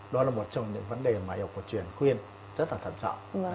đó là một trong những vấn đề mà y học cổ truyền khuyên rất là thật rõ